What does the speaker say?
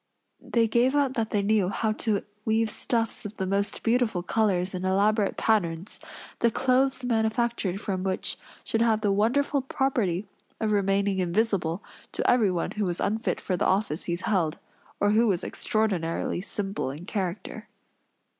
They gave out that they knew how to weave stuffs of the most beautiful colors and elaborate patterns, the clothes manufactured from which should have the wonderful property of remaining invisible to everyone who was unfit for the office he held, or who was extraordinarily simple in character.